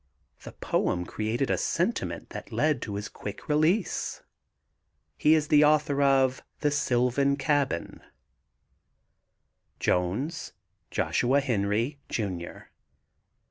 The poem created a sentiment that led to his quick release. He is the author of The Sylvan Cabin. JONES, JOSHUA HENRY, JR.